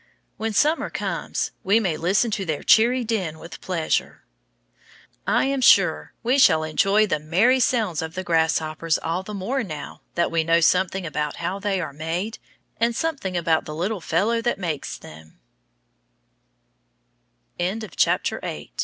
When summer comes we may listen to their cheery din with pleasure. I am sure we shall enjoy the merry sounds of the grasshoppers all the more now that we know something about how they are made, and something about the little fellow that mak